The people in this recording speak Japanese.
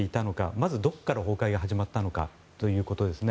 まず、どこから崩壊が始まったのかということ。